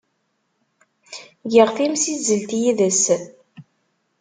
Giɣ timsizzelt yid-s.